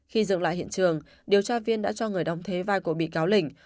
khi dựng lại hiện trường điều tra viên đã cho người đóng thế vai của bị cáo linh